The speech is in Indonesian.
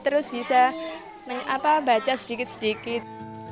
terus bisa baca sedikit sedikit